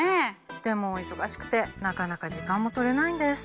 でも忙しくてなかなか時間も取れないんです。